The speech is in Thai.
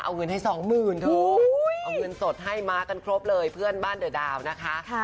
เอาเงินให้สองหมื่นเถอะเอาเงินสดให้มากันครบเลยเพื่อนบ้านเดอะดาวนะคะ